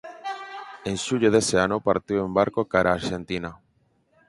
En xullo dese ano partiu en barco cara a Arxentina.